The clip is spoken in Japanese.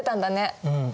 うん。